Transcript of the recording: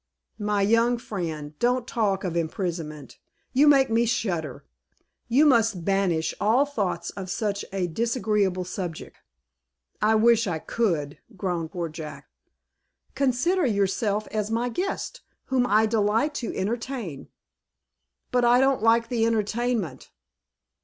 "My young friend, don't talk of imprisonment. You make me shudder. You must banish all thoughts of such a disagreeable subject." "I wish I could," groaned poor Jack. "Consider yourself as my guest, whom I delight to entertain." "But, I don't like the entertainment."